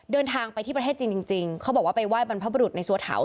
เดินทางไปที่ประเทศจีนจริงจริงเขาบอกว่าไปไห้บรรพบรุษในสัวเถา